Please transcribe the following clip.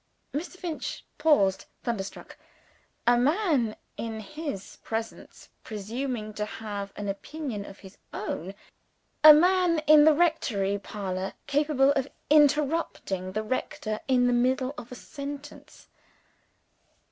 Mr. Finch paused, thunderstruck. A man in his presence presuming to have an opinion of his own! a man in the rectory parlor capable of interrupting the rector in the middle of a sentence!